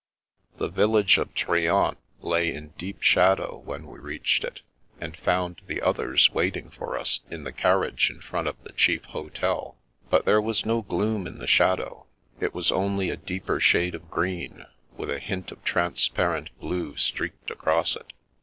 The village of Trient lay in deep shadow when we reached it, and found the others waiting for us in the carriage in front of the chief hotel ; but there was no gloom in the shadow ; it was only a deeper shade of green, with a hint of transparent blue streaked acrQ35 it.